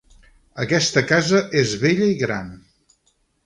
Aquesta casa és vella i gran.